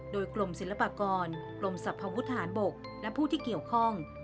โดยกลมศิลปากรกลมศพพุทธหารบกและผู้ที่เกี่ยวข้อง